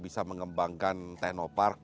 bisa mengembangkan teknopark